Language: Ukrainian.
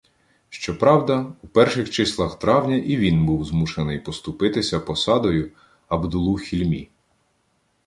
Щоправда, у перших числах травня і він був змушений поступитися посадою Абдулу Хільмі.